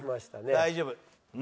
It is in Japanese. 大丈夫！